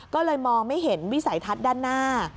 ก็เลยมองไม่เห็นวิสัยทัศน์ด้านหน้า